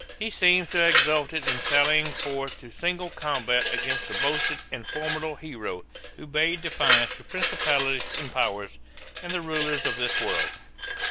He seems to have exulted in sallying forth to single combat against the boasted and formidable hero, who bade defiance to 'principalities and powers, and the rulers of this world.'